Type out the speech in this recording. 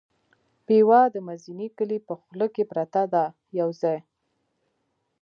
پېوه د مزینې کلي په خوله کې پرته ده یو ځای.